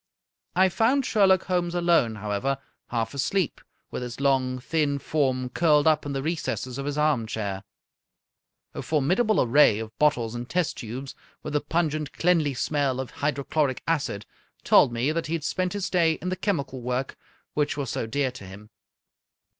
I found Sherlock Holmes alone, however, half asleep, with his long, thin form curled up in the recesses of his armchair. A formidable array of bottles and test tubes, with the pungent, cleanly smell of hydrochloric acid, told me that he had spent his day in the chemical work which was so dear to him.